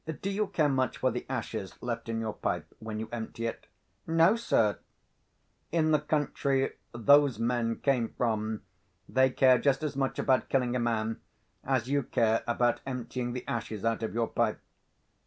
"Do you care much for the ashes left in your pipe when you empty it?" "No, sir." "In the country those men came from, they care just as much about killing a man, as you care about emptying the ashes out of your pipe.